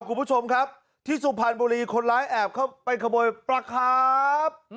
คุณผู้ชมครับที่สุพรรณบุรีคนร้ายแอบเข้าไปขโมยปลาครับ